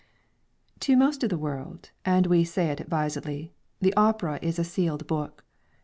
To most of the world (and we say it advisedly,) the opera is a sealed book.